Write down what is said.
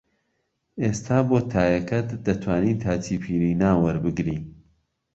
ئێستا بۆ تایەکەت دەتوانی تاچیپیرینا وەربگری